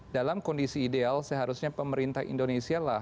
dalam kondisi ideal seharusnya pemerintah indonesia lah